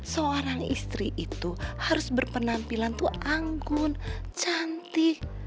seorang istri itu harus berpenampilan itu anggun cantik